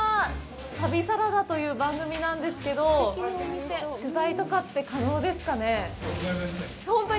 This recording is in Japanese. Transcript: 旅サラダという番組なんですけど、取材とかって可能ですかね？